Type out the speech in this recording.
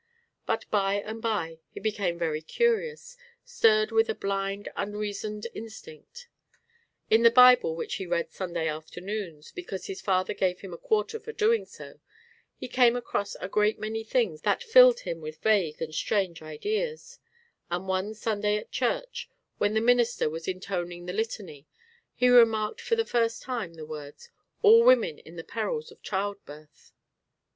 But by and by he became very curious, stirred with a blind unreasoned instinct. In the Bible which he read Sunday afternoons, because his father gave him a quarter for doing so, he came across a great many things that filled him with vague and strange ideas; and one Sunday at church, when the minister was intoning the Litany, he remarked for the first time the words, "all women in the perils of child birth."